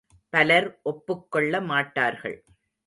பலர் ஒப்புக்கொள்ள மாட்டார்கள்.